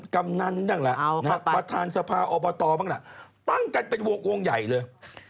กำนั้นนั่งล่ะประธานสภาอบตตั้งกันเป็นวงใหญ่เลย